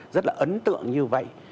rất là ấn tượng như vậy